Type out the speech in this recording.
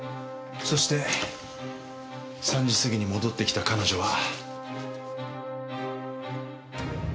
そして３時過ぎに戻ってきた彼女は。